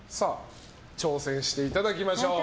挑戦していただきましょう。